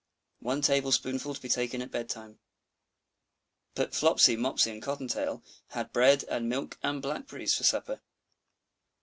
"One tablespoonful to be taken at bed time." But Flopsy, Mopsy, and Cotton tail had bread and milk and blackberries, for supper.